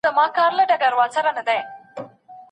پلان جوړول د وخت د تنظیم لاره ده.